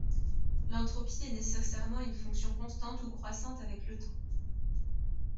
l'entropie est nécessairement une fonction constante ou croissante avec le temps